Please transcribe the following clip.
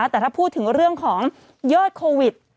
แต่ถ้าพูดถึงเรื่องของยอดโควิด